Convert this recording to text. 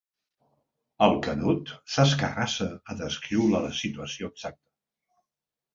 El Canut s'escarrassa a descriure la situació exacta.